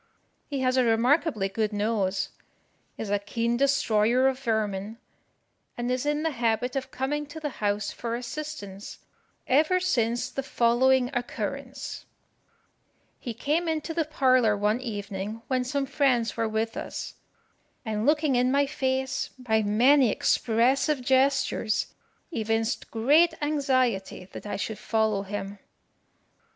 He has a remarkably good nose, is a keen destroyer of vermin, and is in the habit of coming to the house for assistance ever since the following occurrence: He came into the parlour one evening when some friends were with us, and looking in my face, by many expressive gestures, evinced great anxiety that I should follow him.